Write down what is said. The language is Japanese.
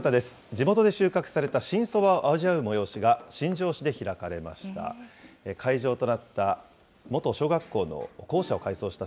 地元で収穫された新そばを味わう催しが、新庄市で開かれました。